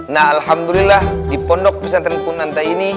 nah alhamdulillah di pondok pesantren punanta ini